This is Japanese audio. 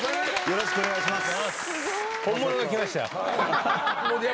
よろしくお願いします。